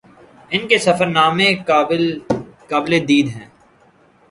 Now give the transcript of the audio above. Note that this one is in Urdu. ان کے سفر نامے قابل دید ہیں